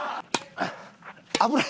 危ない。